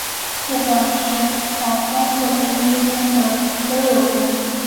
不论是黄蜂或是蜜蜂的刺都有毒。